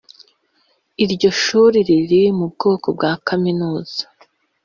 iryo shuri riri mu bwoko bwa kaminuza